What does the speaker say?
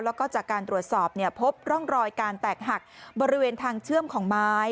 แล้วก็จากการตรวจสอบพบร่องรอยการแตกหักบริเวณทางเชื่อมของไม้